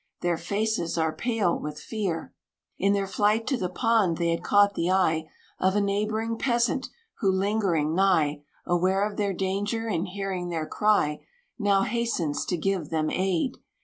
Their faces are pale with fear. In their flight to the pond, they had caught the eye Of a neighboring peasant, who, lingering nigh, Aware of their danger, and hearing their cry, Now hastens to give them aid.